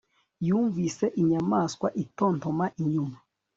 Yumvise inyamaswa itontoma inyuma